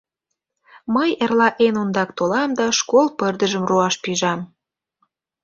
— Мый эрла эн ондак толам да школ пырдыжым руаш пижам.